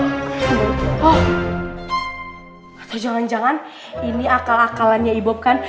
oh jangan jangan ini akal akalannya ibu kan